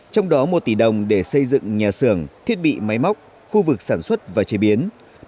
trong đó một tỷ đồng để xây dựng nhà xưởng thiết bị máy móc khu vực sản xuất và chế biến